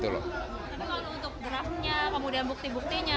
tapi kalau untuk draftnya kemudian bukti buktinya